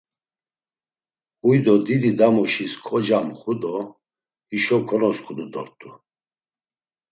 Huydo dididamuşis kocamxu do hişo konosǩudu dort̆u.